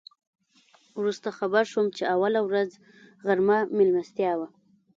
وروسته خبر شوم چې اوله ورځ غرمه میلمستیا وه.